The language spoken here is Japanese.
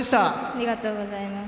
ありがとうございます。